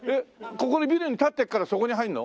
ここにビルが建ってからそこに入るの？